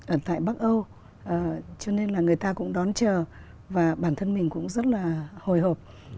ở tại bắc âu cho nên là người ta cũng đón chờ và bản thân mình cũng rất là hồi hộp